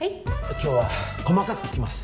今日は細かく聞きます